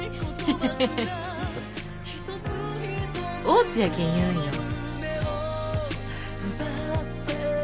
大津やけん言うんよ。